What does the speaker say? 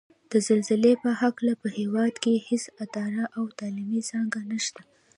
د زلزلې په هکله په هېواد کې هېڅ اداره او تعلیمي څانګه نشته ده